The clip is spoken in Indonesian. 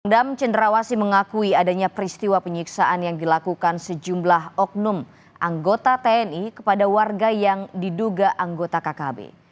dam cenderawasi mengakui adanya peristiwa penyiksaan yang dilakukan sejumlah oknum anggota tni kepada warga yang diduga anggota kkb